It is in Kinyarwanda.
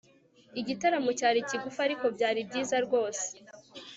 Igitaramo cyari kigufi ariko byari byiza rwose